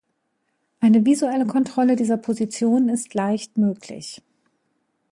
Eine visuelle Kontrolle dieser Position ist leicht möglich.